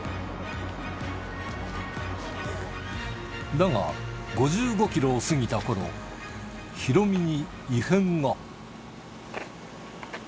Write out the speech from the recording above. だが、５５キロを過ぎたころ、ヒロミに異変が。